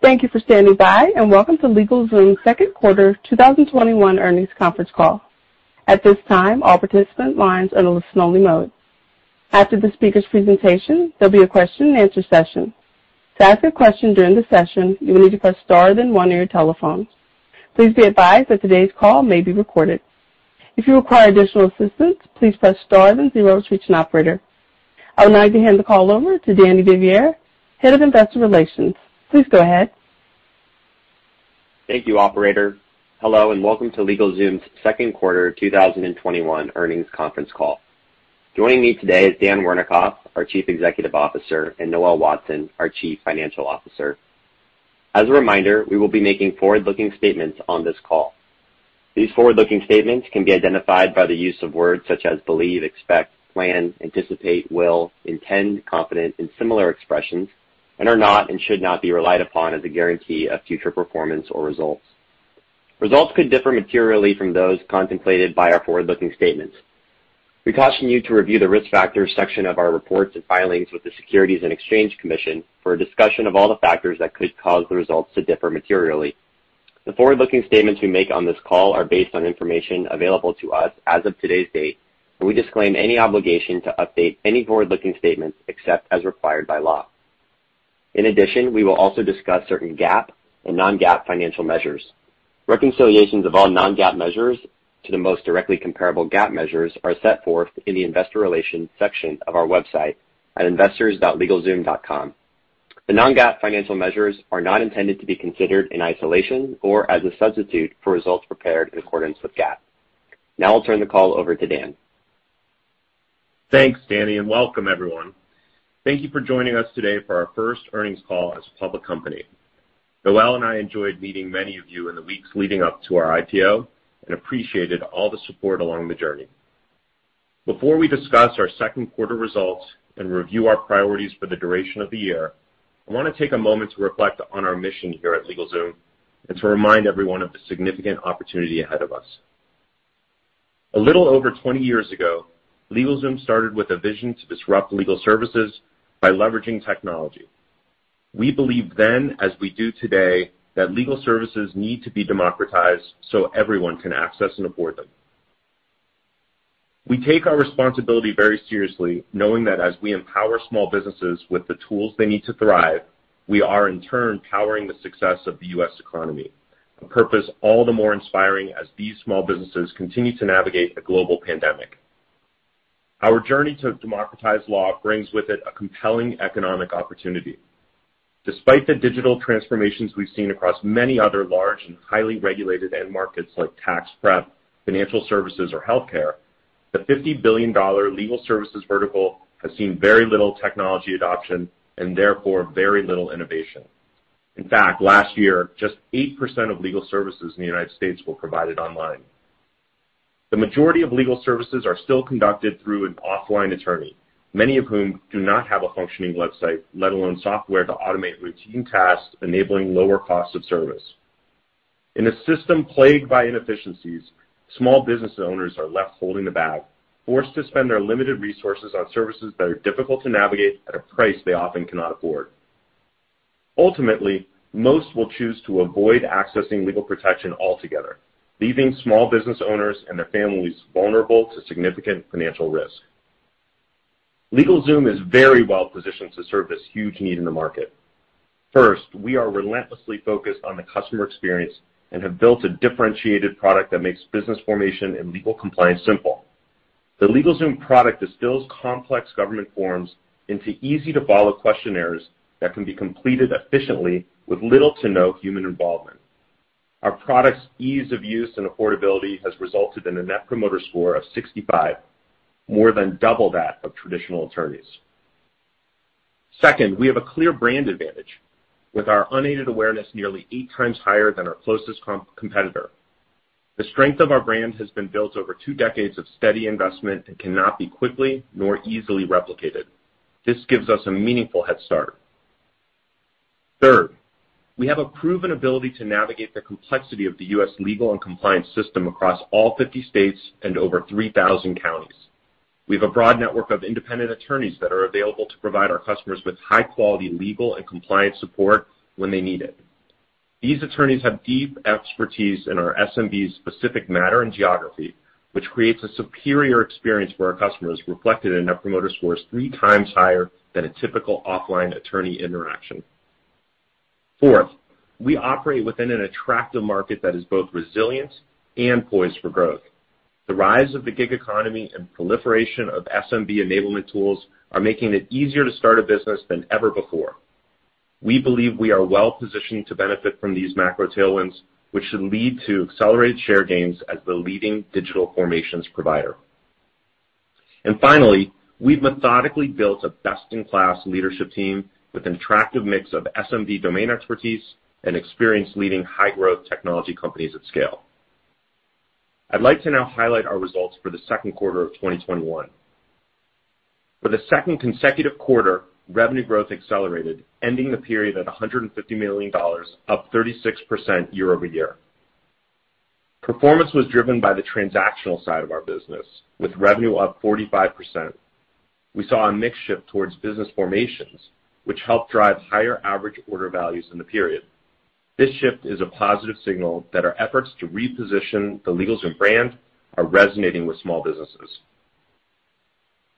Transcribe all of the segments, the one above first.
Thank you for standing by, and welcome to LegalZoom's second quarter 2021 earnings conference call. At this time, all participant lines are in listen only mode. After the speaker's presentation, there will be a question and answer session. To ask a question during the session, you will need to press star then one on your telephone. Please be advised that today's call may be recorded. If you require additional assistance, please press star then zero to reach an operator. I would now like to hand the call over to Danny Vivier, Head of Investor Relations. Please go ahead. Thank you, operator. Hello, welcome to LegalZoom's second quarter 2021 earnings conference call. Joining me today is Dan Wernikoff, our Chief Executive Officer, and Noel Watson, our Chief Financial Officer. As a reminder, we will be making forward-looking statements on this call. These forward-looking statements can be identified by the use of words such as believe, expect, plan, anticipate, will, intend, confident, and similar expressions, and are not and should not be relied upon as a guarantee of future performance or results. Results could differ materially from those contemplated by our forward-looking statements. We caution you to review the Risk Factors section of our reports and filings with the Securities and Exchange Commission for a discussion of all the factors that could cause the results to differ materially. The forward-looking statements we make on this call are based on information available to us as of today's date, and we disclaim any obligation to update any forward-looking statements except as required by law. In addition, we will also discuss certain GAAP and non-GAAP financial measures. Reconciliations of all non-GAAP measures to the most directly comparable GAAP measures are set forth in the investor relations section of our website at investors.legalzoom.com. The non-GAAP financial measures are not intended to be considered in isolation or as a substitute for results prepared in accordance with GAAP. Now I'll turn the call over to Dan. Thanks, Danny. Welcome everyone. Thank you for joining us today for our first earnings call as a public company. Noel and I enjoyed meeting many of you in the weeks leading up to our IPO and appreciated all the support along the journey. Before we discuss our second quarter results and review our priorities for the duration of the year, I want to take a moment to reflect on our mission here at LegalZoom and to remind everyone of the significant opportunity ahead of us. A little over 20 years ago, LegalZoom started with a vision to disrupt legal services by leveraging technology. We believed then, as we do today, that legal services need to be democratized so everyone can access and afford them. We take our responsibility very seriously, knowing that as we empower small businesses with the tools they need to thrive, we are in turn powering the success of the U.S. economy. A purpose all the more inspiring as these small businesses continue to navigate a global pandemic. Our journey to democratize law brings with it a compelling economic opportunity. Despite the digital transformations we've seen across many other large and highly regulated end markets like tax prep, financial services, or healthcare, the $50 billion legal services vertical has seen very little technology adoption and therefore very little innovation. In fact, last year, just 8% of legal services in the U.S. were provided online. The majority of legal services are still conducted through an offline attorney, many of whom do not have a functioning website, let alone software to automate routine tasks, enabling lower costs of service. In a system plagued by inefficiencies, small business owners are left holding the bag, forced to spend their limited resources on services that are difficult to navigate at a price they often cannot afford. Ultimately, most will choose to avoid accessing legal protection altogether, leaving small business owners and their families vulnerable to significant financial risk. LegalZoom is very well positioned to serve this huge need in the market. First, we are relentlessly focused on the customer experience and have built a differentiated product that makes business formation and legal compliance simple. The LegalZoom product distills complex government forms into easy-to-follow questionnaires that can be completed efficiently with little to no human involvement. Our product's ease of use and affordability has resulted in a net promoter score of 65, more than double that of traditional attorneys. Second, we have a clear brand advantage. With our unaided awareness nearly eight times higher than our closest competitor. The strength of our brand has been built over two decades of steady investment and cannot be quickly nor easily replicated. This gives us a meaningful headstart. Third, we have a proven ability to navigate the complexity of the U.S. legal and compliance system across all 50 states and over 3,000 counties. We have a broad network of independent attorneys that are available to provide our customers with high-quality legal and compliance support when they need it. These attorneys have deep expertise in our SMB's specific matter and geography, which creates a superior experience for our customers, reflected in net promoter scores three times higher than a typical offline attorney interaction. Fourth, we operate within an attractive market that is both resilient and poised for growth. The rise of the gig economy and proliferation of SMB enablement tools are making it easier to start a business than ever before. We believe we are well-positioned to benefit from these macro tailwinds, which should lead to accelerated share gains as the leading digital formations provider. Finally, we've methodically built a best-in-class leadership team with an attractive mix of SMB domain expertise and experience leading high-growth technology companies at scale. I'd like to now highlight our results for the second quarter of 2021. For the 2nd consecutive quarter, revenue growth accelerated, ending the period at $150 million, up 36% year-over-year. Performance was driven by the transactional side of our business, with revenue up 45%. We saw a mix shift towards business formations, which helped drive higher average order values in the period. This shift is a positive signal that our efforts to reposition the LegalZoom brand are resonating with small businesses.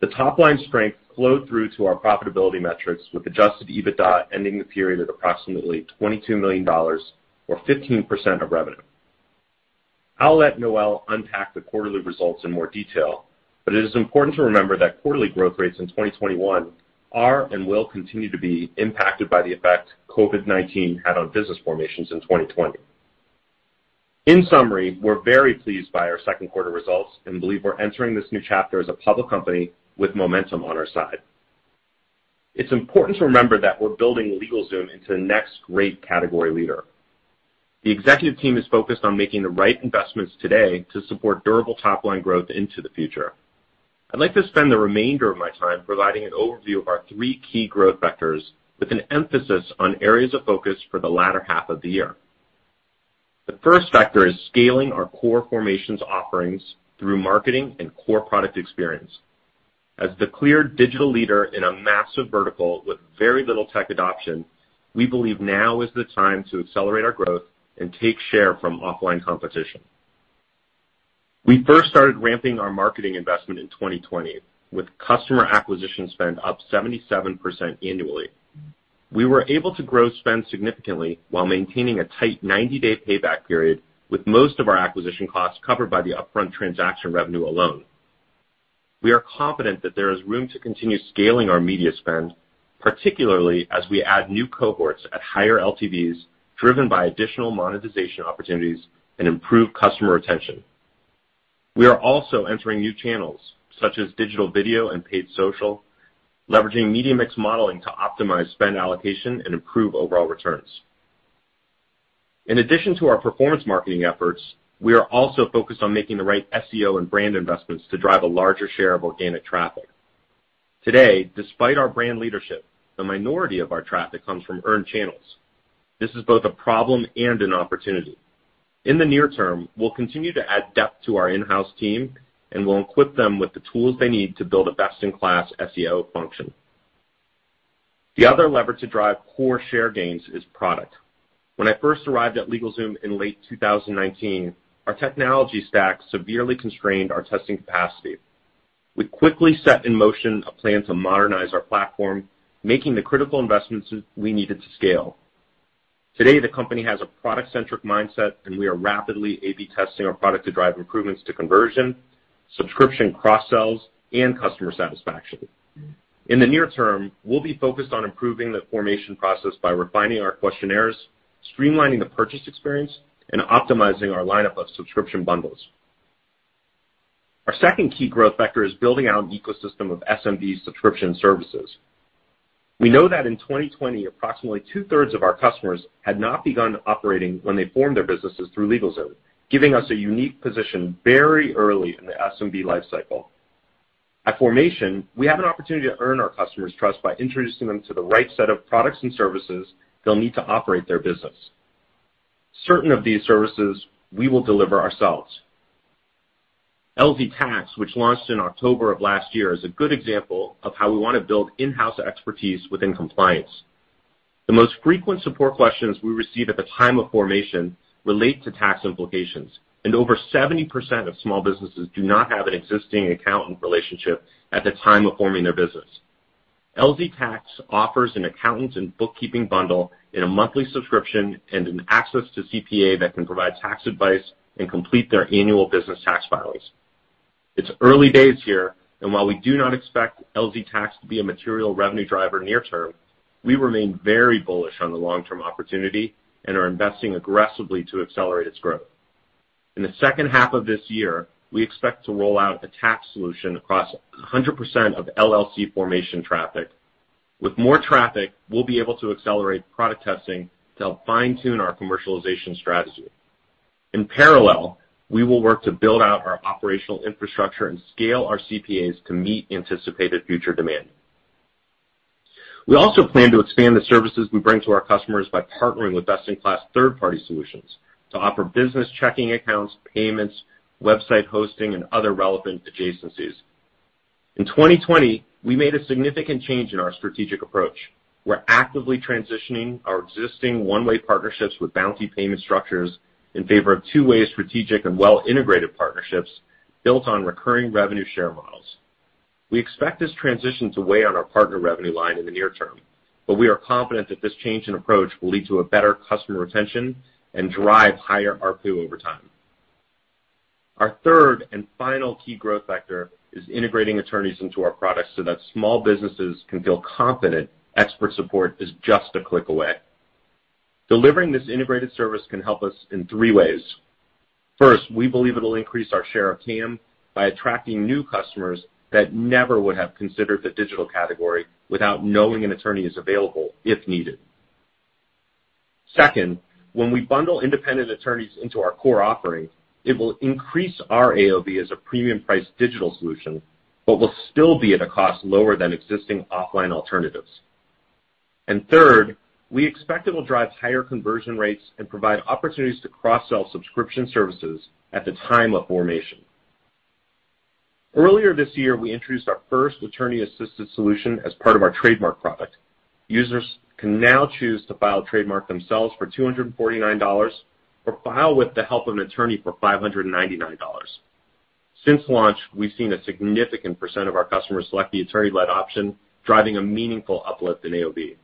The top-line strength flowed through to our profitability metrics with adjusted EBITDA ending the period at approximately $22 million, or 15% of revenue. I'll let Noel unpack the quarterly results in more detail, but it is important to remember that quarterly growth rates in 2021 are and will continue to be impacted by the effect COVID-19 had on business formations in 2020. In summary, we're very pleased by our second quarter results and believe we're entering this new chapter as a public company with momentum on our side. It's important to remember that we're building LegalZoom into the next great category leader. The executive team is focused on making the right investments today to support durable top-line growth into the future. I'd like to spend the remainder of my time providing an overview of our three key growth vectors, with an emphasis on areas of focus for the latter half of the year. The first vector is scaling our core formations offerings through marketing and core product experience. As the clear digital leader in a massive vertical with very little tech adoption, we believe now is the time to accelerate our growth and take share from offline competition. We first started ramping our marketing investment in 2020, with customer acquisition spend up 77% annually. We were able to grow spend significantly while maintaining a tight 90-day payback period, with most of our acquisition costs covered by the upfront transaction revenue alone. We are confident that there is room to continue scaling our media spend, particularly as we add new cohorts at higher LTVs driven by additional monetization opportunities and improved customer retention. We are also entering new channels, such as digital video and paid social, leveraging media mix modeling to optimize spend allocation and improve overall returns. In addition to our performance marketing efforts, we are also focused on making the right SEO and brand investments to drive a larger share of organic traffic. Today, despite our brand leadership, the minority of our traffic comes from earned channels. This is both a problem and an opportunity. In the near term, we'll continue to add depth to our in-house team, and we'll equip them with the tools they need to build a best-in-class SEO function. The other lever to drive core share gains is product. When I first arrived at LegalZoom in late 2019, our technology stack severely constrained our testing capacity. We quickly set in motion a plan to modernize our platform, making the critical investments we needed to scale. Today, the company has a product-centric mindset, and we are rapidly A/B testing our product to drive improvements to conversion, subscription cross-sells, and customer satisfaction. In the near term, we'll be focused on improving the formation process by refining our questionnaires, streamlining the purchase experience, and optimizing our lineup of subscription bundles. Our second key growth vector is building out an ecosystem of SMB subscription services. We know that in 2020, approximately two-thirds of our customers had not begun operating when they formed their businesses through LegalZoom, giving us a unique position very early in the SMB life cycle. At formation, we have an opportunity to earn our customers' trust by introducing them to the right set of products and services they'll need to operate their business. Certain of these services we will deliver ourselves. LZ Tax, which launched in October of last year, is a good example of how we want to build in-house expertise within compliance. The most frequent support questions we receive at the time of formation relate to tax implications, and over 70% of small businesses do not have an existing accountant relationship at the time of forming their business. LZ Tax offers an accountant and bookkeeping bundle in a monthly subscription and an access to CPA that can provide tax advice and complete their annual business tax filings. It's early days here, and while we do not expect LZ Tax to be a material revenue driver near term, we remain very bullish on the long-term opportunity and are investing aggressively to accelerate its growth. In the second half of this year, we expect to roll out a tax solution across 100% of LLC formation traffic. With more traffic, we'll be able to accelerate product testing to help fine-tune our commercialization strategy. In parallel, we will work to build out our operational infrastructure and scale our CPAs to meet anticipated future demand. We also plan to expand the services we bring to our customers by partnering with best-in-class third-party solutions to offer business checking accounts, payments, website hosting, and other relevant adjacencies. In 2020, we made a significant change in our strategic approach. We're actively transitioning our existing one-way partnerships with bounty payment structures in favor of two-way strategic and well-integrated partnerships built on recurring revenue share models. We expect this transition to weigh on our partner revenue line in the near term, but we are confident that this change in approach will lead to a better customer retention and drive higher ARPU over time. Our third and final key growth vector is integrating attorneys into our products so that small businesses can feel confident expert support is just a click away. Delivering this integrated service can help us in three ways. First, we believe it'll increase our share of TAM by attracting new customers that never would have considered the digital category without knowing an attorney is available if needed. Second, when we bundle independent attorneys into our core offering, it will increase our AOV as a premium priced digital solution, but will still be at a cost lower than existing offline alternatives. Third, we expect it will drive higher conversion rates and provide opportunities to cross-sell subscription services at the time of formation. Earlier this year, we introduced our first attorney-assisted solution as part of our trademark product. Users can now choose to file trademark themselves for $249 or file with the help of an attorney for $599. Since launch, we've seen a significant % of our customers select the attorney-led option, driving a meaningful uplift in AOV.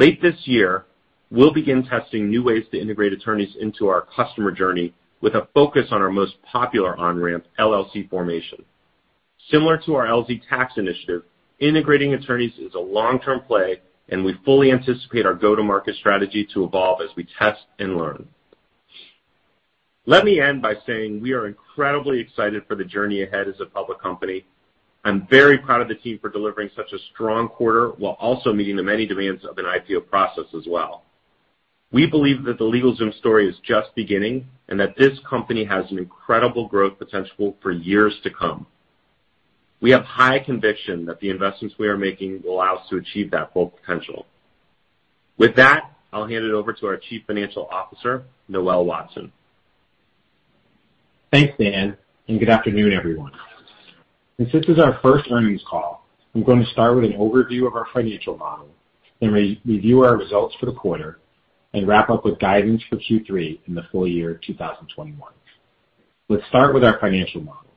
Late this year, we'll begin testing new ways to integrate attorneys into our customer journey with a focus on our most popular on-ramp, LLC formation. Similar to our LZ Tax initiative, integrating attorneys is a long-term play, and we fully anticipate our go-to-market strategy to evolve as we test and learn. Let me end by saying we are incredibly excited for the journey ahead as a public company. I'm very proud of the team for delivering such a strong quarter while also meeting the many demands of an IPO process as well. We believe that the LegalZoom story is just beginning and that this company has an incredible growth potential for years to come. We have high conviction that the investments we are making will allow us to achieve that full potential. With that, I'll hand it over to our Chief Financial Officer, Noel Watson. Thanks, Dan. Good afternoon, everyone. Since this is our first earnings call, I'm going to start with an overview of our financial model and review our results for the quarter and wrap up with guidance for Q3 and the full year 2021. Let's start with our financial model.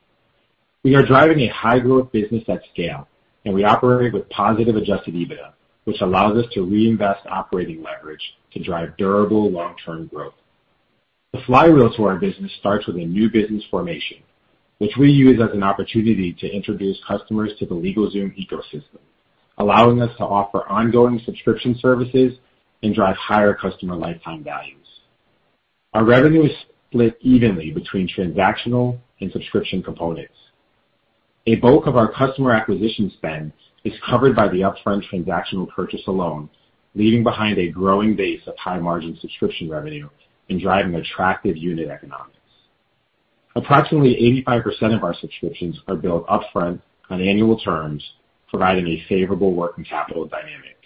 We are driving a high-growth business at scale. We operate with positive adjusted EBITDA, which allows us to reinvest operating leverage to drive durable long-term growth. The flywheel to our business starts with a new business formation, which we use as an opportunity to introduce customers to the LegalZoom ecosystem, allowing us to offer ongoing subscription services and drive higher customer lifetime values. Our revenue is split evenly between transactional and subscription components. A bulk of our customer acquisition spend is covered by the upfront transactional purchase alone, leaving behind a growing base of high-margin subscription revenue and driving attractive unit economics. Approximately 85% of our subscriptions are billed upfront on annual terms, providing a favorable working capital dynamic.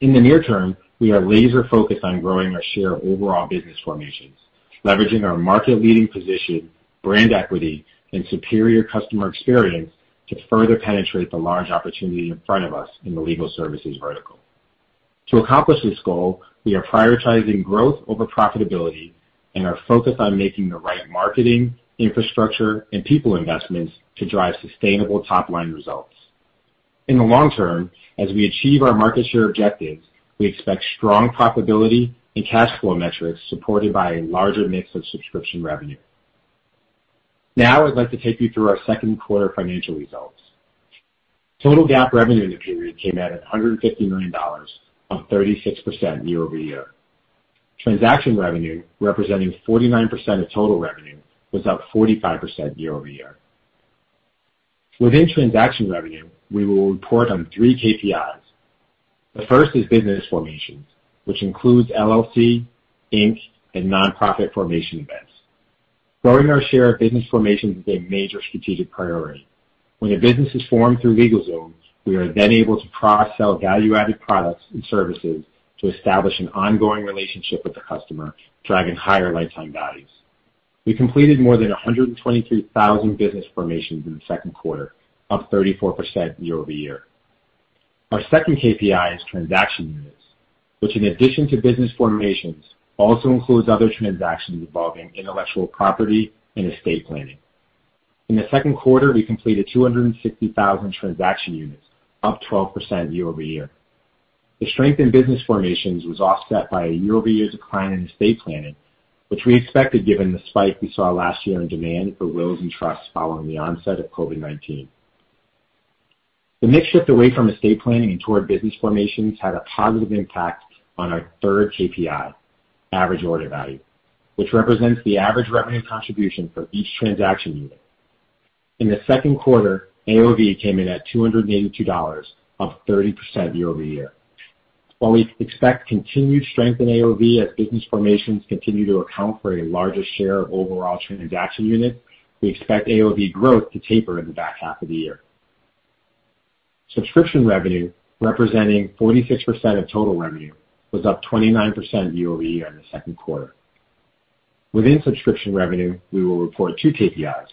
In the near term, we are laser-focused on growing our share of overall business formations, leveraging our market-leading position, brand equity, and superior customer experience to further penetrate the large opportunity in front of us in the legal services vertical. To accomplish this goal, we are prioritizing growth over profitability and are focused on making the right marketing, infrastructure, and people investments to drive sustainable top-line results. In the long term, as we achieve our market share objectives, we expect strong profitability and cash flow metrics supported by a larger mix of subscription revenue. I'd like to take you through our second quarter financial results. Total GAAP revenue in the period came at $150 million, up 36% year-over-year. Transaction revenue, representing 49% of total revenue, was up 45% year-over-year. Within transaction revenue, we will report on three KPIs. The first is business formations, which includes LLC, Inc, and nonprofit formation events. Growing our share of business formations is a major strategic priority. When a business is formed through LegalZoom, we are then able to cross-sell value-added products and services to establish an ongoing relationship with the customer, driving higher lifetime values. We completed more than 123,000 business formations in the second quarter, up 34% year-over-year. Our second KPI is transaction units, which in addition to business formations, also includes other transactions involving intellectual property and estate planning. In the second quarter, we completed 260,000 transaction units, up 12% year-over-year. The strength in business formations was offset by a year-over-year decline in estate planning, which we expected given the spike we saw last year in demand for wills and trusts following the onset of COVID-19. The mix shift away from estate planning and toward business formations had a positive impact on our third KPI, average order value, which represents the average revenue contribution for each transaction unit. In the second quarter, AOV came in at $282, up 30% year-over-year. While we expect continued strength in AOV as business formations continue to account for a larger share of overall transaction units, we expect AOV growth to taper in the back half of the year. Subscription revenue, representing 46% of total revenue, was up 29% year-over-year in the second quarter. Within subscription revenue, we will report two KPIs.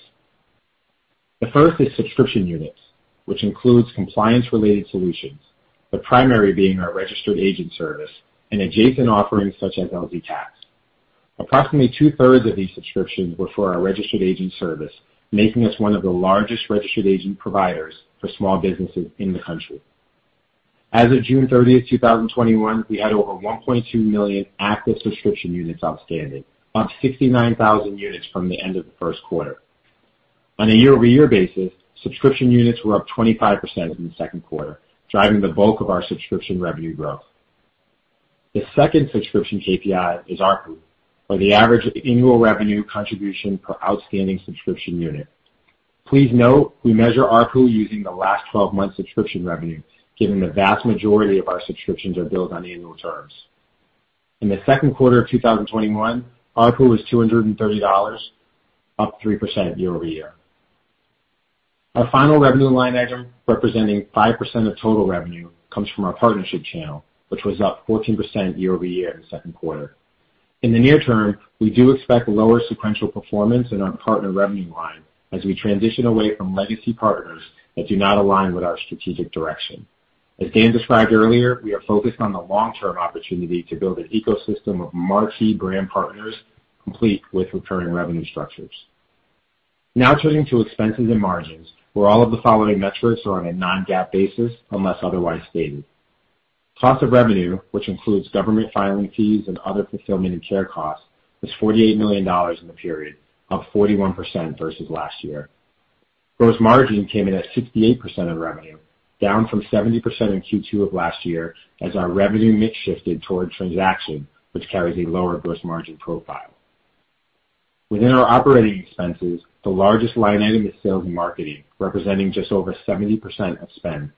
The first is subscription units, which includes compliance-related solutions, the primary being our registered agent service and adjacent offerings such as LZ Tax. Approximately two-thirds of these subscriptions were for our registered agent service, making us one of the largest registered agent providers for small businesses in the country. As of June 30th, 2021, we had over 1.2 million active subscription units outstanding, up 69,000 units from the end of the first quarter. On a year-over-year basis, subscription units were up 25% in the second quarter, driving the bulk of our subscription revenue growth. The second subscription KPI is ARPU, or the average annual revenue contribution per outstanding subscription unit. Please note we measure ARPU using the last 12 months subscription revenue, given the vast majority of our subscriptions are billed on annual terms. In the second quarter of 2021, ARPU was $230, up 3% year-over-year. Our final revenue line item, representing 5% of total revenue, comes from our partnership channel, which was up 14% year-over-year in the second quarter. In the near term, we do expect lower sequential performance in our partner revenue line as we transition away from legacy partners that do not align with our strategic direction. As Dan described earlier, we are focused on the long-term opportunity to build an ecosystem of marquee brand partners, complete with recurring revenue structures. Turning to expenses and margins, where all of the following metrics are on a non-GAAP basis, unless otherwise stated. Cost of revenue, which includes government filing fees and other fulfillment and care costs, was $48 million in the period, up 41% versus last year. Gross margin came in at 68% of revenue, down from 70% in Q2 of last year as our revenue mix shifted towards transaction, which carries a lower gross margin profile. Within our operating expenses, the largest line item is sales and marketing, representing just over 70% of spend.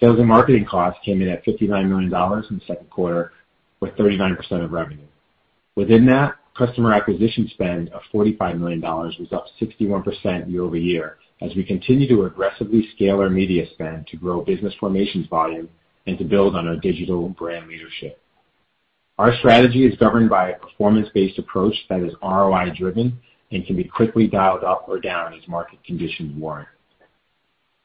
Sales and marketing costs came in at $59 million in the second quarter, with 39% of revenue. Within that, customer acquisition spend of $45 million was up 61% year-over-year as we continue to aggressively scale our media spend to grow business formations volume and to build on our digital brand leadership. Our strategy is governed by a performance-based approach that is ROI driven and can be quickly dialed up or down as market conditions warrant.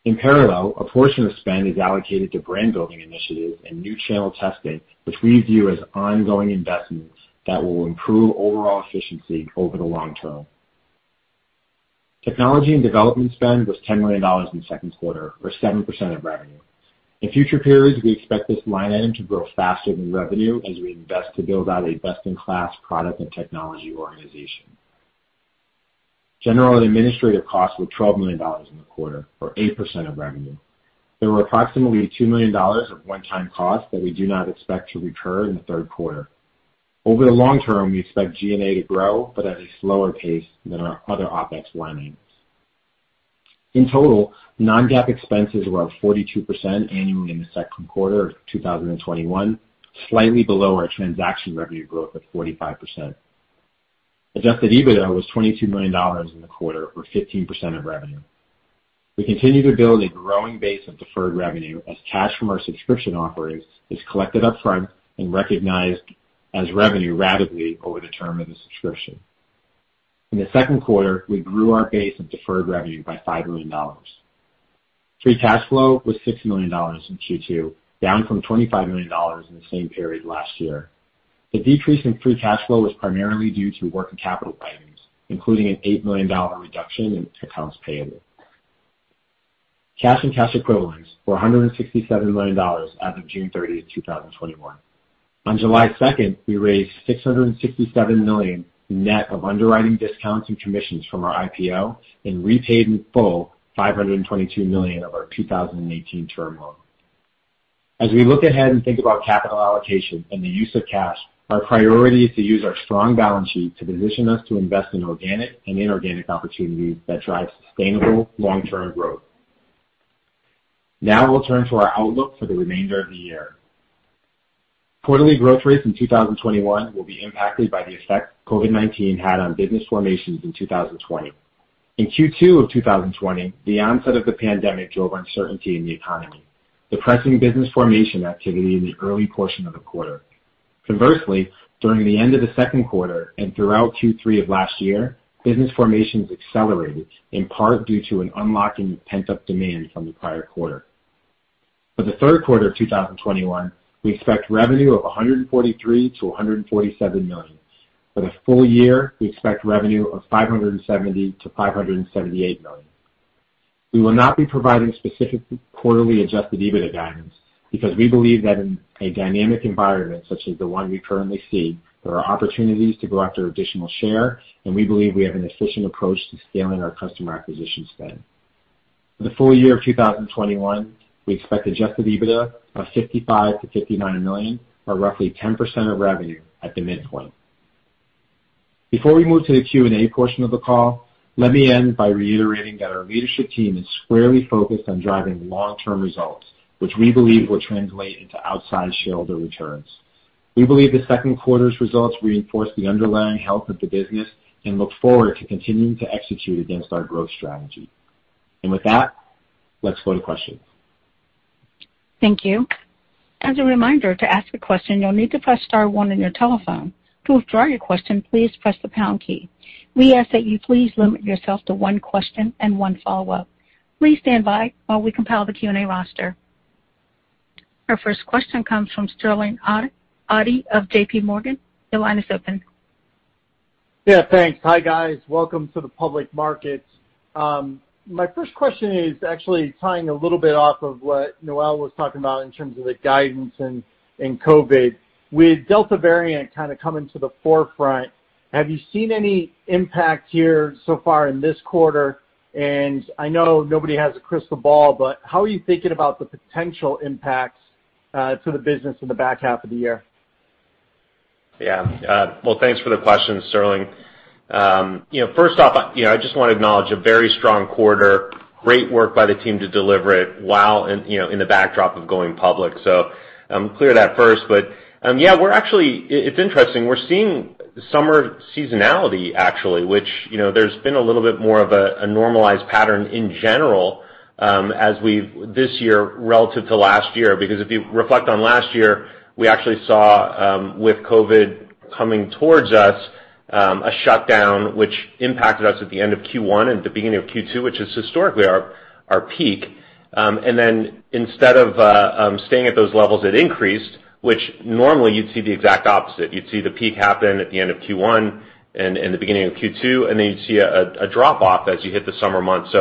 In parallel, a portion of spend is allocated to brand building initiatives and new channel testing, which we view as ongoing investments that will improve overall efficiency over the long term. Technology and development spend was $10 million in the second quarter, or 7% of revenue. In future periods, we expect this line item to grow faster than revenue as we invest to build out a best-in-class product and technology organization. General and administrative costs were $12 million in the quarter, or 8% of revenue. There were approximately $2 million of one-time costs that we do not expect to recur in the third quarter. Over the long term, we expect G&A to grow, but at a slower pace than our other OpEx line items. In total, non-GAAP expenses were up 42% annually in the second quarter of 2021, slightly below our transaction revenue growth of 45%. Adjusted EBITDA was $22 million in the quarter, or 15% of revenue. We continue to build a growing base of deferred revenue as cash from our subscription offerings is collected upfront and recognized as revenue ratably over the term of the subscription. In the second quarter, we grew our base of deferred revenue by $5 million. Free cash flow was $6 million in Q2, down from $25 million in the same period last year. The decrease in free cash flow was primarily due to working capital items, including an $8 million reduction in accounts payable. Cash and cash equivalents were $167 million as of June 30, 2021. On July 2nd, we raised $667 million net of underwriting discounts and commissions from our IPO and repaid in full $522 million of our 2018 term loan. As we look ahead and think about capital allocation and the use of cash, our priority is to use our strong balance sheet to position us to invest in organic and inorganic opportunities that drive sustainable long-term growth. We'll turn to our outlook for the remainder of the year. Quarterly growth rates in 2021 will be impacted by the effect COVID-19 had on business formations in 2020. In Q2 of 2020, the onset of the pandemic drove uncertainty in the economy, depressing business formation activity in the early portion of the quarter. During the end of the second quarter and throughout Q3 of last year, business formations accelerated, in part due to an unlocking of pent-up demand from the prior quarter. For the third quarter of 2021, we expect revenue of $143 million-$147 million. For the full year, we expect revenue of $570 million-$578 million. We will not be providing specific quarterly adjusted EBITDA guidance because we believe that in a dynamic environment such as the one we currently see, there are opportunities to go after additional share, and we believe we have an efficient approach to scaling our customer acquisition spend. For the full year of 2021, we expect adjusted EBITDA of $55 million-$59 million, or roughly 10% of revenue at the midpoint. Before we move to the Q&A portion of the call, let me end by reiterating that our leadership team is squarely focused on driving long-term results, which we believe will translate into outsized shareholder returns. We believe the second quarter's results reinforce the underlying health of the business and look forward to continuing to execute against our growth strategy. With that, let's go to questions. Thank you. As a reminder, to ask a question, you'll need to press star one on your telephone. To withdraw your question, please press the pound key. We ask that you please limit yourself to one question and one follow-up. Please stand by while we compile the Q&A roster. Our first question comes from Sterling Auty of JPMorgan. Your line is open. Thanks. Hi, guys. Welcome to the public markets. My first question is actually tying a little bit off of what Noel was talking about in terms of the guidance in COVID-19. With Delta variant kind of coming to the forefront, have you seen any impact here so far in this quarter? I know nobody has a crystal ball, but how are you thinking about the potential impacts to the business in the back half of the year? Yeah. Well, thanks for the question, Sterling. First off, I just want to acknowledge a very strong quarter. Great work by the team to deliver it while in the backdrop of going public. Clear that first. We're actually, it's interesting, we're seeing summer seasonality actually, which there's been a little bit more of a normalized pattern in general this year relative to last year. If you reflect on last year, we actually saw, with COVID-19 coming towards us, a shutdown which impacted us at the end of Q1 and the beginning of Q2, which is historically our peak. Instead of staying at those levels, it increased, which normally you'd see the exact opposite. You'd see the peak happen at the end of Q1 and the beginning of Q2, and then you'd see a drop-off as you hit the summer months.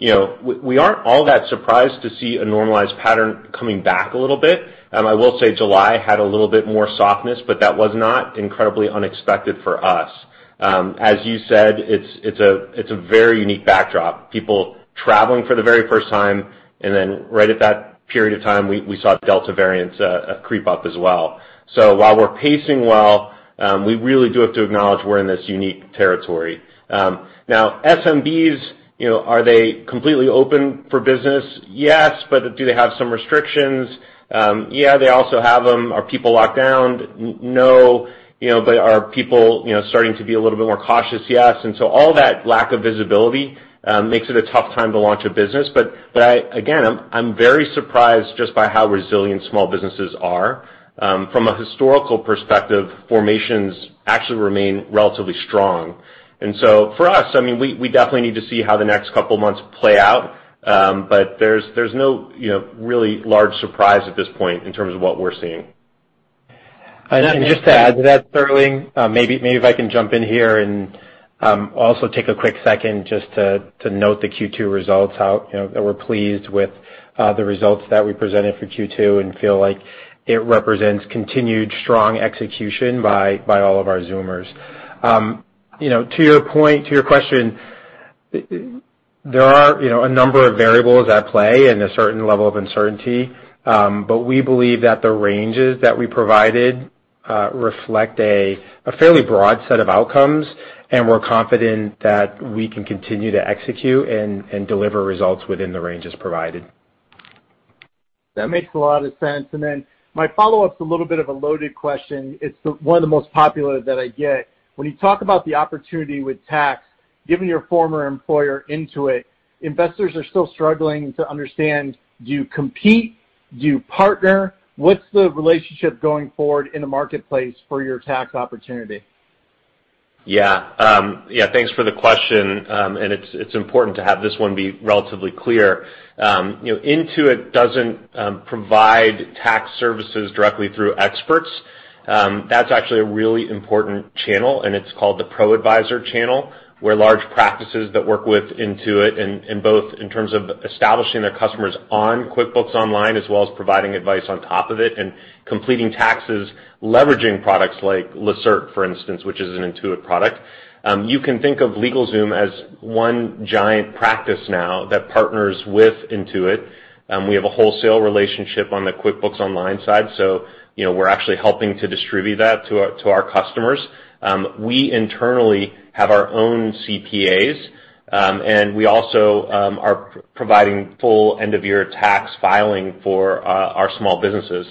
We aren't all that surprised to see a normalized pattern coming back a little bit. I will say July had a little bit more softness, but that was not incredibly unexpected for us. As you said, it's a very unique backdrop. People traveling for the very first time, and then right at that period of time, we saw Delta variant creep up as well. While we're pacing well, we really do have to acknowledge we're in this unique territory. SMBs, are they completely open for business? Yes, but do they have some restrictions? Yeah, they also have them. Are people locked down? No, but are people starting to be a little bit more cautious? Yes. All that lack of visibility makes it a tough time to launch a business. Again, I'm very surprised just by how resilient small businesses are. From a historical perspective, formations actually remain relatively strong. For us, we definitely need to see how the next couple of months play out, but there's no really large surprise at this point in terms of what we're seeing. Just to add to that, Sterling, maybe if I can jump in here and also take a quick second just to note the Q2 results out. We're pleased with the results that we presented for Q2 and feel like it represents continued strong execution by all of our Zoomers. To your question, there are a number of variables at play and a certain level of uncertainty. We believe that the ranges that we provided reflect a fairly broad set of outcomes, and we're confident that we can continue to execute and deliver results within the ranges provided. That makes a lot of sense. My follow-up's a little bit of a loaded question. It's one of the most popular that I get. When you talk about the opportunity with tax, given your former employer, Intuit, investors are still struggling to understand, do you compete? Do you partner? What's the relationship going forward in the marketplace for your tax opportunity? Yeah. Thanks for the question. It's important to have this one be relatively clear. Intuit doesn't provide tax services directly through experts. That's actually a really important channel, and it's called the ProAdvisor channel, where large practices that work with Intuit in both in terms of establishing their customers on QuickBooks Online, as well as providing advice on top of it and completing taxes, leveraging products like Lacerte, for instance, which is an Intuit product. You can think of LegalZoom as one giant practice now that partners with Intuit. We have a wholesale relationship on the QuickBooks Online side, so we're actually helping to distribute that to our customers. We internally have our own CPAs, and we also are providing full end-of-year tax filing for our small businesses.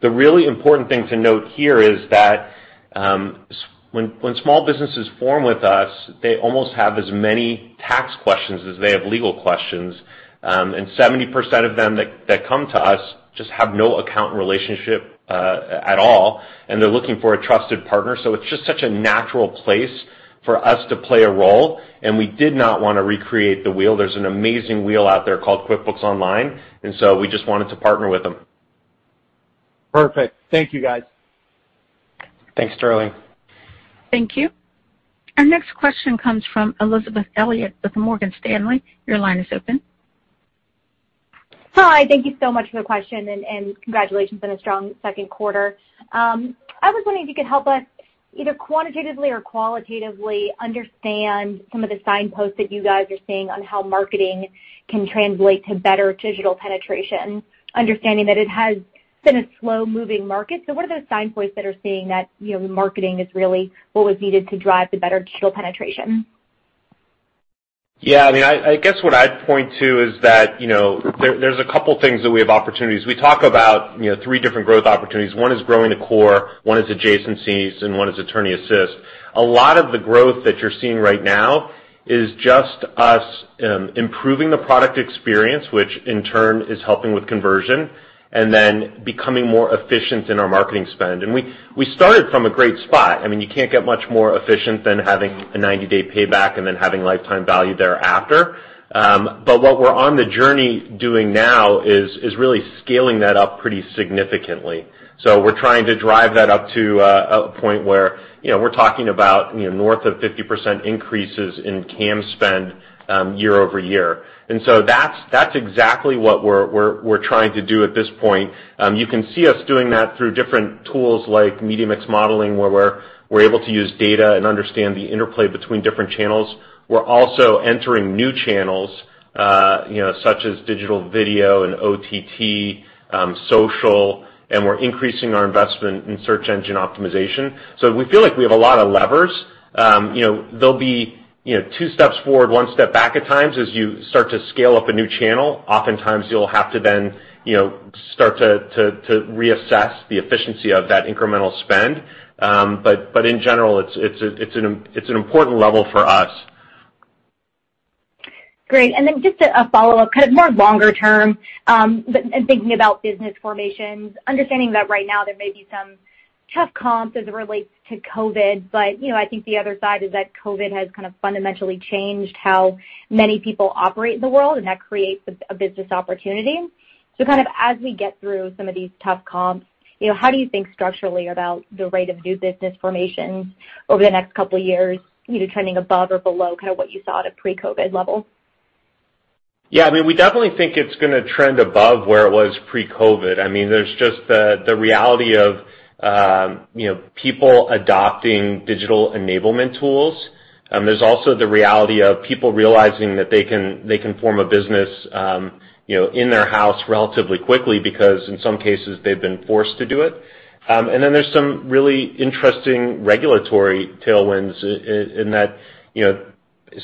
The really important thing to note here is that when small businesses form with us, they almost have as many tax questions as they have legal questions. 70% of them that come to us just have no account relationship at all, and they're looking for a trusted partner. It's just such a natural place for us to play a role, and we did not want to recreate the wheel. There's an amazing wheel out there called QuickBooks Online, we just wanted to partner with them. Perfect. Thank you, guys. Thanks, Sterling. Thank you. Our next question comes from Elizabeth Elliott with Morgan Stanley. Your line is open. Hi. Thank you so much for the question and congratulations on a strong second quarter. I was wondering if you could help us either quantitatively or qualitatively understand some of the signposts that you guys are seeing on how marketing can translate to better digital penetration, understanding that it has been a slow-moving market. What are the signposts that are saying that marketing is really what was needed to drive the better digital penetration? I guess what I'd point to is that there's a couple things that we have opportunities. We talk about three different growth opportunities. One is growing the core, one is adjacencies, and one is attorney assist. A lot of the growth that you're seeing right now is just us improving the product experience, which in turn is helping with conversion, and then becoming more efficient in our marketing spend. We started from a great spot. You can't get much more efficient than having a 90-day payback and then having lifetime value thereafter. What we're on the journey doing now is really scaling that up pretty significantly. We're trying to drive that up to a point where we're talking about north of 50% increases in CAM spend year-over-year. That's exactly what we're trying to do at this point. You can see us doing that through different tools like media mix modeling, where we're able to use data and understand the interplay between different channels. We're also entering new channels, such as digital video and OTT, social, and we're increasing our investment in search engine optimization. We feel like we have a lot of levers. There'll be two steps forward, one step back at times as you start to scale up a new channel. Oftentimes you'll have to then start to reassess the efficiency of that incremental spend. In general, it's an important lever for us. Great. Just a follow-up, more longer term, but in thinking about business formations, understanding that right now there may be some tough comps as it relates to COVID, but I think the other side is that COVID has kind of fundamentally changed how many people operate in the world, and that creates a business opportunity. Kind of as we get through some of these tough comps, how do you think structurally about the rate of new business formations over the next couple of years, trending above or below kind of what you saw at a pre-COVID level? Yeah. We definitely think it's going to trend above where it was pre-COVID. There's just the reality of people adopting digital enablement tools. There's also the reality of people realizing that they can form a business in their house relatively quickly because in some cases they've been forced to do it. There's some really interesting regulatory tailwinds in that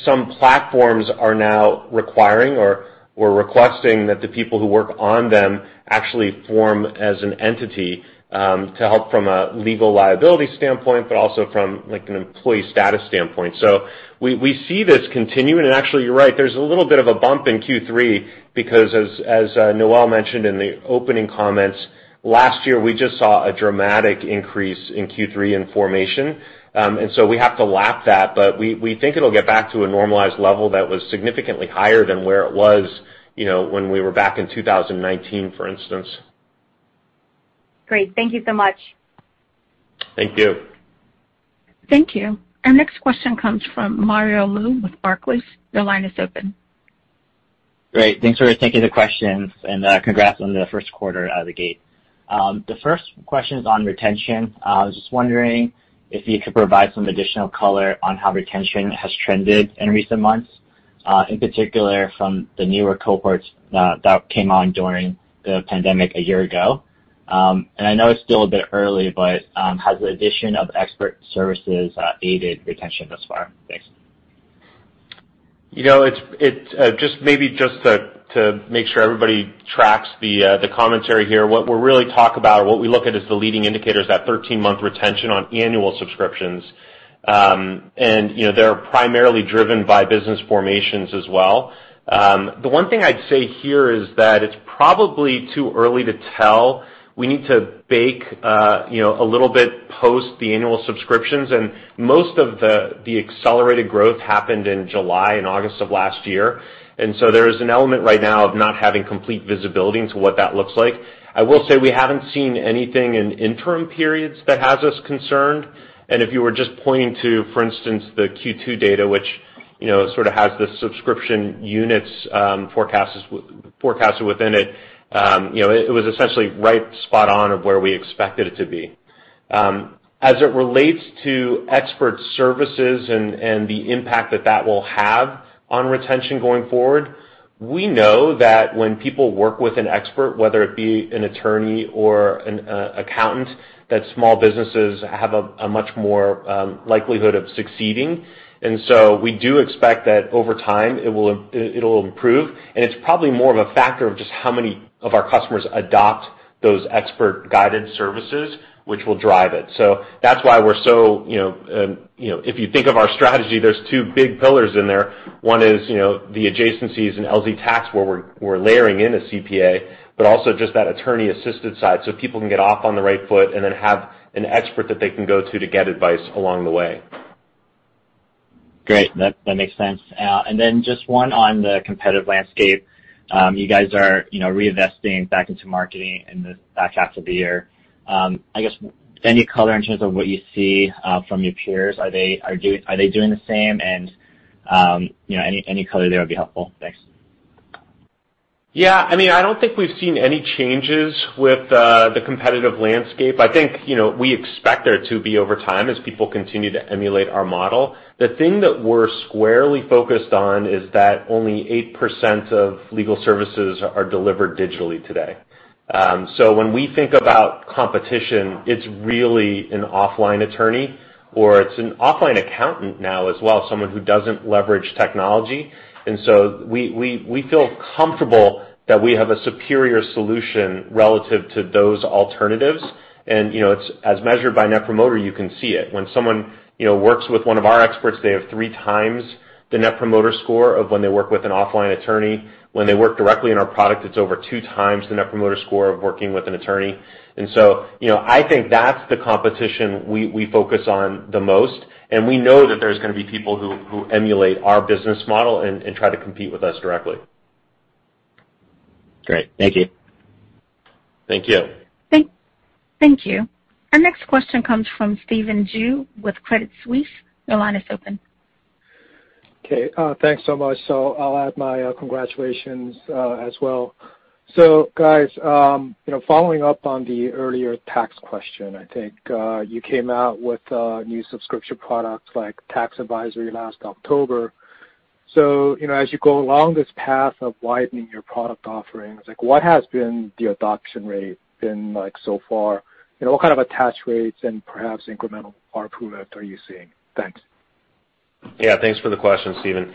some platforms are now requiring or requesting that the people who work on them actually form as an entity, to help from a legal liability standpoint, but also from an employee status standpoint. We see this continuing, and actually you're right, there's a little bit of a bump in Q3 because as Noel mentioned in the opening comments, last year, we just saw a dramatic increase in Q3 in formation. We have to lap that, but we think it'll get back to a normalized level that was significantly higher than where it was when we were back in 2019, for instance. Great. Thank you so much. Thank you. Thank you. Our next question comes from Mario Lu with Barclays. Your line is open. Great. Thanks for taking the questions, congrats on the 1st quarter out of the gate. The 1st question is on retention. I was just wondering if you could provide some additional color on how retention has trended in recent months, in particular from the newer cohorts that came on during the pandemic a year ago. I know it's still a bit early, but has the addition of expert services aided retention thus far? Thanks. Maybe just to make sure everybody tracks the commentary here. What we really talk about or what we look at as the leading indicators is that 13-month retention on annual subscriptions. They're primarily driven by business formations as well. The one thing I'd say here is that it's probably too early to tell. We need to bake a little bit post the annual subscriptions, most of the accelerated growth happened in July and August of last year. There is an element right now of not having complete visibility into what that looks like. I will say we haven't seen anything in interim periods that has us concerned. If you were just pointing to, for instance, the Q2 data, which sort of has the subscription units forecasted within it was essentially right spot on of where we expected it to be. As it relates to expert services and the impact that that will have on retention going forward, we know that when people work with an expert, whether it be an attorney or an accountant, that small businesses have a much more likelihood of succeeding. We do expect that over time it'll improve, and it's probably more of a factor of just how many of our customers adopt those expert-guided services, which will drive it. That's why if you think of our strategy, there's two big pillars in there. One is the adjacencies in LZ Tax where we're layering in a CPA, but also just that attorney-assisted side, so people can get off on the right foot and then have an expert that they can go to get advice along the way. Great. That makes sense. Then just one on the competitive landscape. You guys are reinvesting back into marketing in the back half of the year. I guess, any color in terms of what you see from your peers? Are they doing the same? Any color there would be helpful. Thanks. Yeah. I don't think we've seen any changes with the competitive landscape. I think we expect there to be over time as people continue to emulate our model. The thing that we're squarely focused on is that only 8% of legal services are delivered digitally today. When we think about competition, it's really an offline attorney, or it's an offline accountant now as well, someone who doesn't leverage technology. We feel comfortable that we have a superior solution relative to those alternatives. As measured by net promoter, you can see it. When someone works with one of our experts, they have three times the net promoter score of when they work with an offline attorney. When they work directly in our product, it's over two times the net promoter score of working with an attorney. I think that's the competition we focus on the most, and we know that there's going to be people who emulate our business model and try to compete with us directly. Great. Thank you. Thank you. Thank you. Our next question comes from Steven Zhu with Credit Suisse. Okay. Thanks so much. I'll add my congratulations as well. Guys, following up on the earlier tax question, I think, you came out with new subscription products like LZ Tax last October. As you go along this path of widening your product offerings, what has been the adoption rate been like so far? What kind of attach rates and perhaps incremental ARPU impact are you seeing? Thanks. Yeah, thanks for the question, Steven.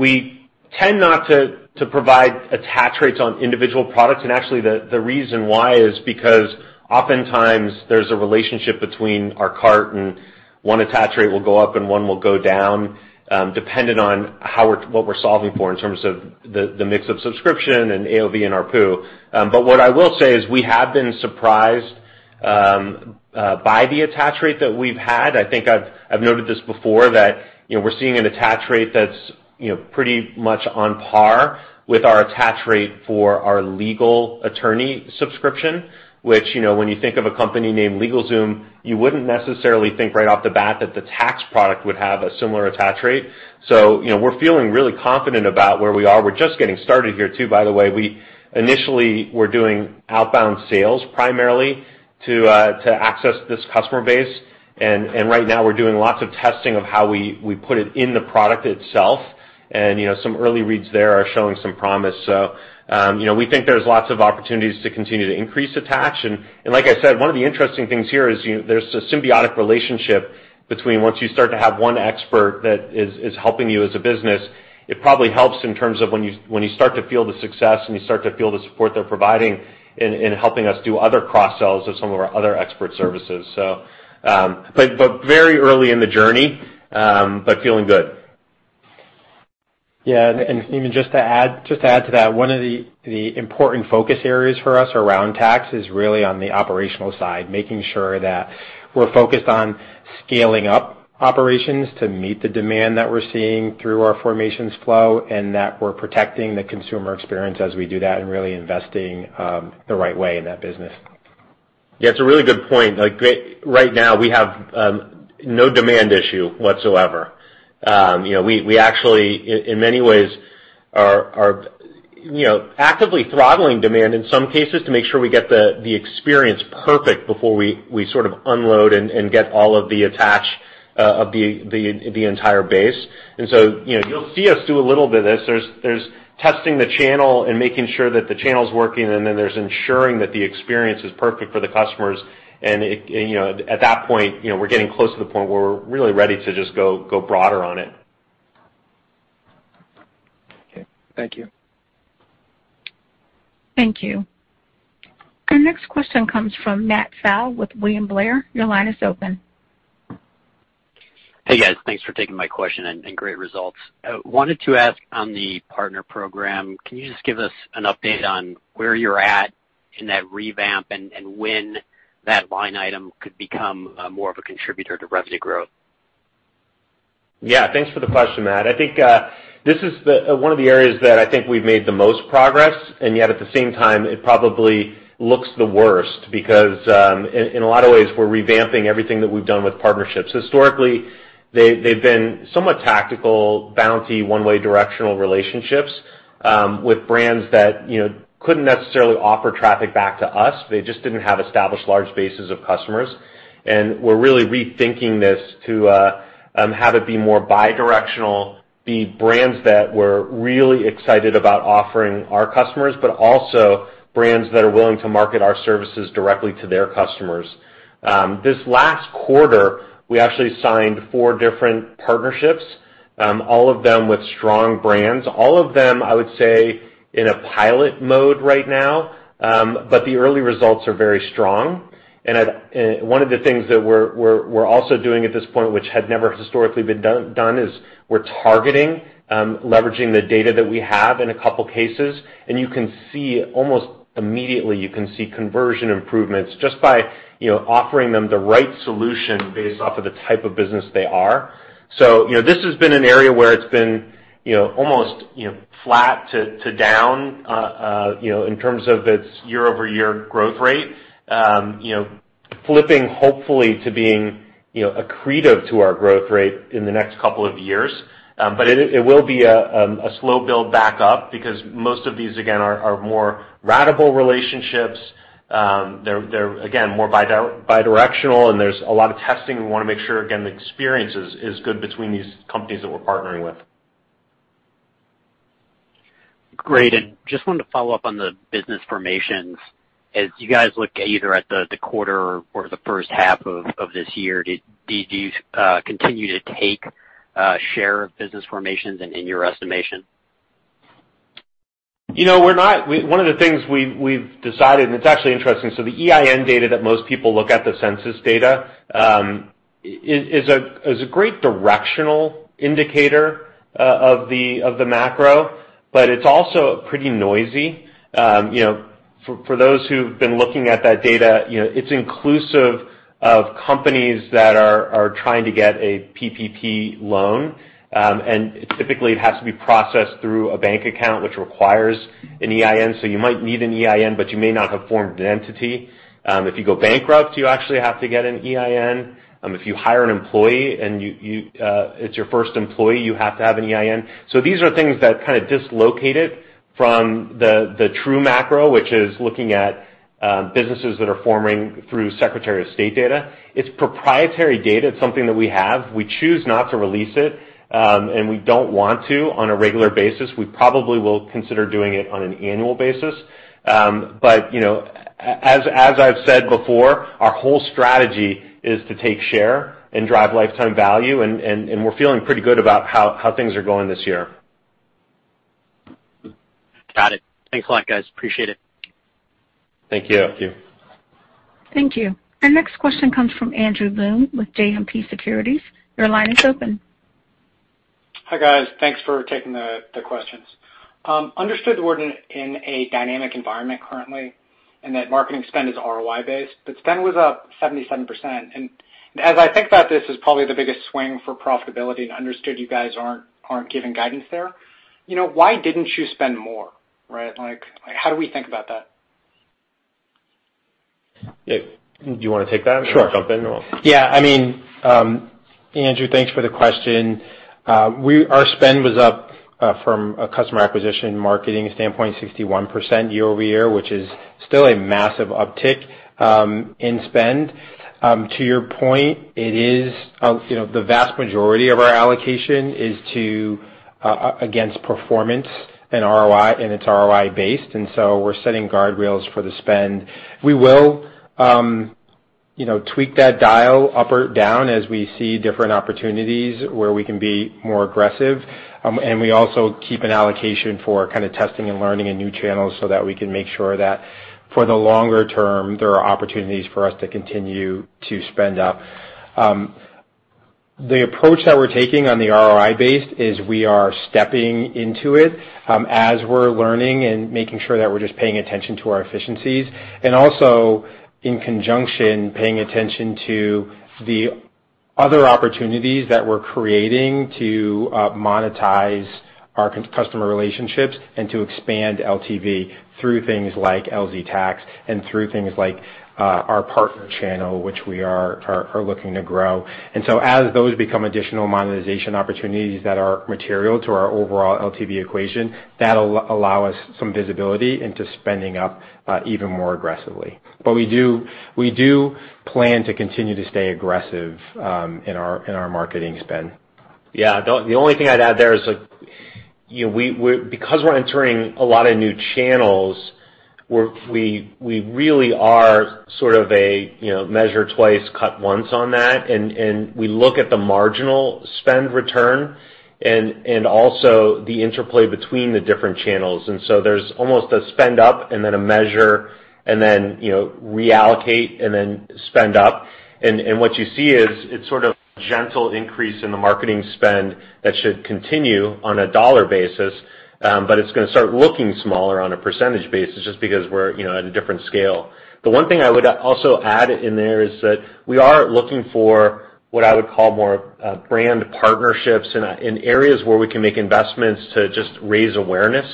We tend not to provide attach rates on individual products, and actually the reason why is because oftentimes there's a relationship between our cart, and one attach rate will go up and one will go down, dependent on what we're solving for in terms of the mix of subscription and AOV and ARPU. What I will say is we have been surprised by the attach rate that we've had. I think I've noted this before that we're seeing an attach rate that's pretty much on par with our attach rate for our legal attorney subscription, which, when you think of a company named LegalZoom, you wouldn't necessarily think right off the bat that the tax product would have a similar attach rate. We're feeling really confident about where we are. We're just getting started here too, by the way. We initially were doing outbound sales primarily to access this customer base. Right now we're doing lots of testing of how we put it in the product itself. Some early reads there are showing some promise. We think there's lots of opportunities to continue to increase attach. Like I said, one of the interesting things here is there's a symbiotic relationship between once you start to have one expert that is helping you as a business, it probably helps in terms of when you start to feel the success and you start to feel the support they're providing in helping us do other cross-sells of some of our other expert services. Very early in the journey, but feeling good. Yeah. Even just to add to that, one of the important focus areas for us around tax is really on the operational side, making sure that we're focused on scaling up operations to meet the demand that we're seeing through our formations flow, and that we're protecting the consumer experience as we do that and really investing the right way in that business. Yeah, it's a really good point. Right now we have no demand issue whatsoever. We actually, in many ways, are actively throttling demand in some cases to make sure we get the experience perfect before we sort of unload and get all of the attach of the entire base. You'll see us do a little bit of this. There's testing the channel and making sure that the channel's working, and then there's ensuring that the experience is perfect for the customers. At that point, we're getting close to the point where we're really ready to just go broader on it. Okay. Thank you. Thank you. Our next question comes from Matt Stotler with William Blair. Your line is open. Hey, guys. Thanks for taking my question, and great results. I wanted to ask on the partner program, can you just give us an update on where you're at in that revamp and when that line item could become more of a contributor to revenue growth? Yeah, thanks for the question, Matt. I think this is one of the areas that I think we've made the most progress, and yet at the same time, it probably looks the worst because, in a lot of ways, we're revamping everything that we've done with partnerships. Historically, they've been somewhat tactical, bounty, one-way directional relationships, with brands that couldn't necessarily offer traffic back to us. They just didn't have established large bases of customers. And we're really rethinking this to have it be more bi-directional, be brands that we're really excited about offering our customers, but also brands that are willing to market our services directly to their customers. This last quarter, we actually signed four different partnerships, all of them with strong brands, all of them, I would say, in a pilot mode right now. But the early results are very strong. One of the things that we're also doing at this point, which had never historically been done, is we're targeting, leveraging the data that we have in a couple cases. You can see almost immediately, you can see conversion improvements just by offering them the right solution based off of the type of business they are. This has been an area where it's been almost flat to down, in terms of its year-over-year growth rate. Flipping, hopefully, to being accretive to our growth rate in the next couple of years. It will be a slow build back up because most of these, again, are more ratable relationships. They're, again, more bi-directional, and there's a lot of testing. We want to make sure, again, the experience is good between these companies that we're partnering with. Great. Just wanted to follow up on the business formations. As you guys look either at the quarter or the first half of this year, did you continue to take share of business formations in your estimation? One of the things we've decided, and it's actually interesting, the EIN data that most people look at, the census data, is a great directional indicator of the macro, but it's also pretty noisy. For those who've been looking at that data, it's inclusive of companies that are trying to get a PPP loan. Typically, it has to be processed through a bank account, which requires an EIN. You might need an EIN, but you may not have formed an entity. If you go bankrupt, you actually have to get an EIN. If you hire an employee and it's your first employee, you have to have an EIN. These are things that kind of dislocate it from the true macro, which is looking at businesses that are forming through Secretary of State data. It's proprietary data. It's something that we have. We choose not to release it, and we don't want to on a regular basis. We probably will consider doing it on an annual basis. As I've said before, our whole strategy is to take share and drive lifetime value, and we're feeling pretty good about how things are going this year. Got it. Thanks a lot, guys. Appreciate it. Thank you. Thank you. Our next question comes from Andrew Boone with JMP Securities. Your line is open. Hi, guys. Thanks for taking the questions. Understood we're in a dynamic environment currently, and that marketing spend is ROI based, but spend was up 77%. As I think about this as probably the biggest swing for profitability, and understood you guys aren't giving guidance there. Why didn't you spend more, right? How do we think about that? Yeah. Do you want to take that? Sure. Jump in? Yeah. Andrew, thanks for the question. Our spend was up from a customer acquisition marketing standpoint, 61% year-over-year, which is still a massive uptick in spend. To your point, the vast majority of our allocation is against performance and ROI. It's ROI based, we're setting guardrails for the spend. We will tweak that dial up or down as we see different opportunities where we can be more aggressive. We also keep an allocation for kind of testing and learning and new channels so that we can make sure that for the longer term, there are opportunities for us to continue to spend up. The approach that we're taking on the ROI-based is we are stepping into it as we're learning and making sure that we're just paying attention to our efficiencies, and also in conjunction, paying attention to the other opportunities that we're creating to monetize our customer relationships and to expand LTV through things like LZ Tax and through things like our partner channel, which we are looking to grow. As those become additional monetization opportunities that are material to our overall LTV equation, that'll allow us some visibility into spending up even more aggressively. We do plan to continue to stay aggressive in our marketing spend. Yeah, the only thing I'd add there is because we're entering a lot of new channels, we really are sort of a measure twice, cut once on that. We look at the marginal spend return and also the interplay between the different channels. There's almost a spend up and then a measure, and then reallocate and then spend up. What you see is it's sort of gentle increase in the marketing spend that should continue on a dollar basis, but it's going to start looking smaller on a percentage basis just because we're at a different scale. The one thing I would also add in there is that we are looking for what I would call more brand partnerships in areas where we can make investments to just raise awareness.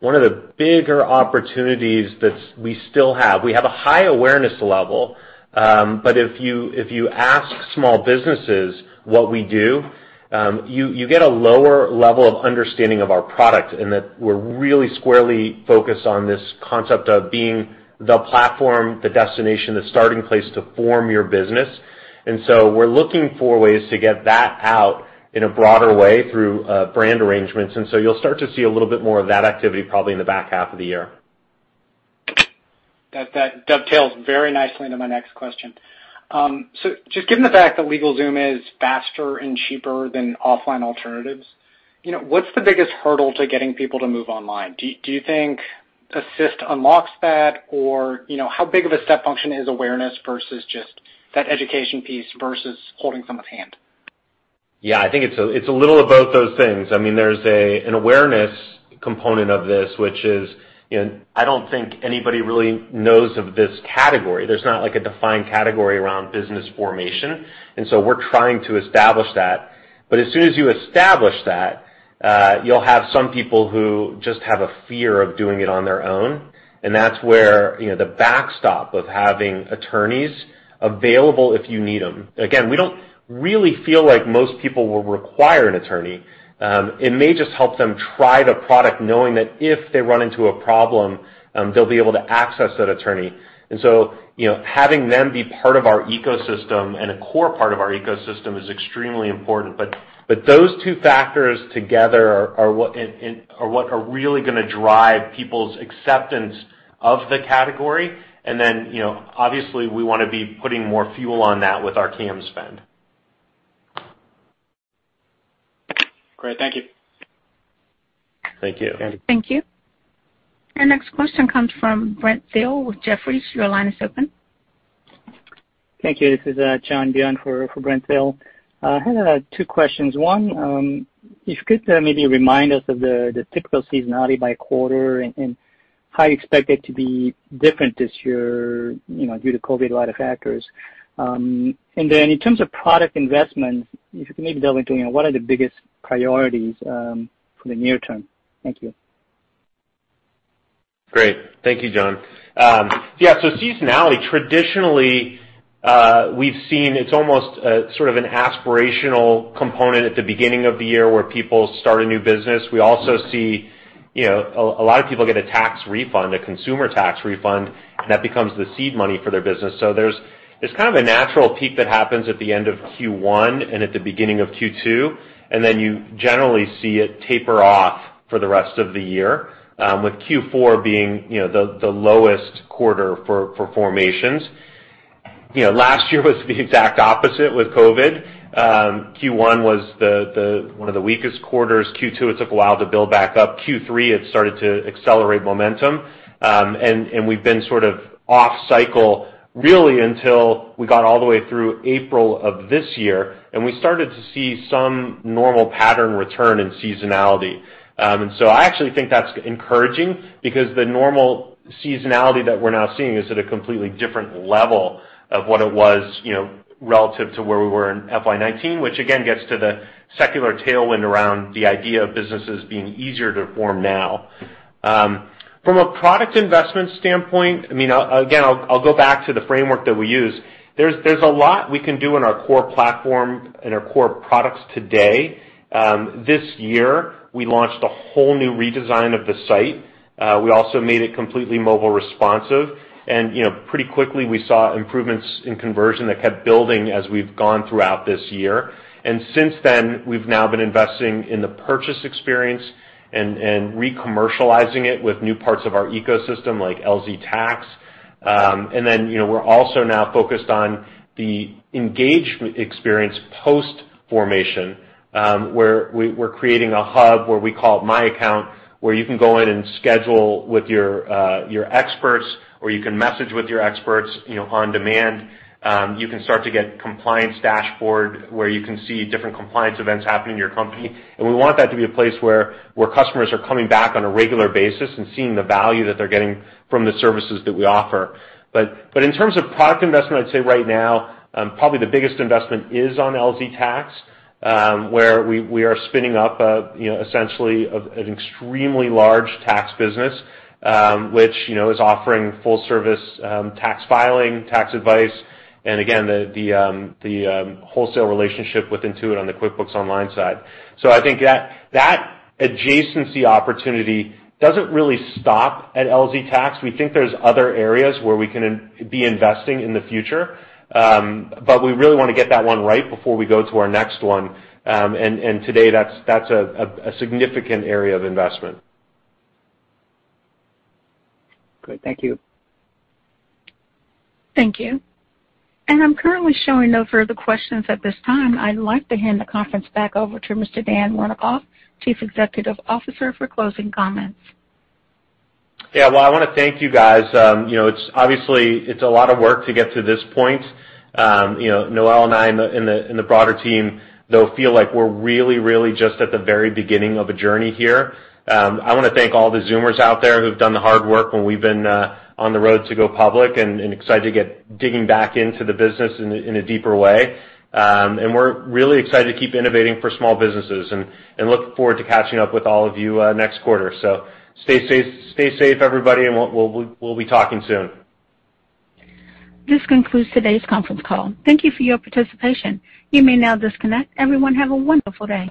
One of the bigger opportunities that we still have, we have a high awareness level. If you ask small businesses what we do, you get a lower level of understanding of our product, and that we're really squarely focused on this concept of being the platform, the destination, the starting place to form your business. We're looking for ways to get that out in a broader way through brand arrangements. You'll start to see a little bit more of that activity probably in the back half of the year. That dovetails very nicely into my next question. Just given the fact that LegalZoom is faster and cheaper than offline alternatives, what's the biggest hurdle to getting people to move online? Do you think Assist unlocks that, or how big of a step function is awareness versus just that education piece versus holding someone's hand? Yeah, I think it's a little of both those things. There's an awareness component of this, which is I don't think anybody really knows of this category. There's not a defined category around business formation, we're trying to establish that. As soon as you establish that, you'll have some people who just have a fear of doing it on their own, and that's where the backstop of having attorneys available if you need them. Again, we don't really feel like most people will require an attorney. It may just help them try the product knowing that if they run into a problem, they'll be able to access that attorney. Having them be part of our ecosystem and a core part of our ecosystem is extremely important. Those two factors together are what are really going to drive people's acceptance of the category. Obviously we want to be putting more fuel on that with our CAM spend. Great. Thank you. Thank you. Yeah. Thank you. Our next question comes from Brent Thill with Jefferies. Your line is open. Thank you. This is John Byun for Brent Thill. I had two questions. One, if you could maybe remind us of the typical seasonality by quarter, and how you expect it to be different this year, due to COVID, a lot of factors. Then in terms of product investment, if you could maybe delve into what are the biggest priorities for the near term? Thank you. Great. Thank you, John. Seasonality, traditionally we've seen it's almost sort of an aspirational component at the beginning of the year where people start a new business. We also see a lot of people get a tax refund, a consumer tax refund, that becomes the seed money for their business. There's kind of a natural peak that happens at the end of Q1 and at the beginning of Q2, then you generally see it taper off for the rest of the year, with Q4 being the lowest quarter for formations. Last year was the exact opposite with COVID. Q1 was one of the weakest quarters. Q2, it took a while to build back up. Q3, it started to accelerate momentum. We've been sort of off cycle really until we got all the way through April of this year, and we started to see some normal pattern return in seasonality. I actually think that's encouraging because the normal seasonality that we're now seeing is at a completely different level of what it was relative to where we were in FY 2019, which again gets to the secular tailwind around the idea of businesses being easier to form now. From a product investment standpoint, again, I'll go back to the framework that we use. There's a lot we can do in our core platform and our core products today. This year, we launched a whole new redesign of the site. We also made it completely mobile responsive, and pretty quickly we saw improvements in conversion that kept building as we've gone throughout this year. Since then, we've now been investing in the purchase experience and re-commercializing it with new parts of our ecosystem, like LZ Tax. We're also now focused on the engagement experience post formation, where we're creating a hub where we call it My Account, where you can go in and schedule with your experts, or you can message with your experts on demand. You can start to get compliance dashboard where you can see different compliance events happening in your company. We want that to be a place where customers are coming back on a regular basis and seeing the value that they're getting from the services that we offer. In terms of product investment, I'd say right now, probably the biggest investment is on LZ Tax, where we are spinning up essentially an extremely large tax business, which is offering full service tax filing, tax advice, and again, the wholesale relationship with Intuit on the QuickBooks Online side. I think that adjacency opportunity doesn't really stop at LZ Tax. We think there's other areas where we can be investing in the future. We really want to get that one right before we go to our next one. Today, that's a significant area of investment. Great. Thank you. Thank you. I'm currently showing no further questions at this time. I'd like to hand the conference back over to Mr. Dan Wernikoff, Chief Executive Officer, for closing comments. Well, I want to thank you guys. Obviously, it's a lot of work to get to this point. Noel and I and the broader team, though, feel like we're really just at the very beginning of a journey here. I want to thank all the Zoomers out there who've done the hard work when we've been on the road to go public, excited to get digging back into the business in a deeper way. We're really excited to keep innovating for small businesses and look forward to catching up with all of you next quarter. Stay safe everybody, and we'll be talking soon. This concludes today's conference call. Thank you for your participation. You may now disconnect. Everyone, have a wonderful day.